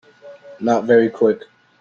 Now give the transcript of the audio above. Not very Quick.